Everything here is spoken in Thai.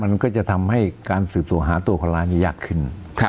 มันก็จะทำให้การสืบสวนหาตัวคนร้ายนี้ยากขึ้น